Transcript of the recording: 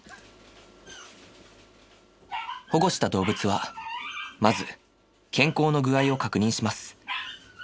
保護した動物はまず健康の具合を確認します。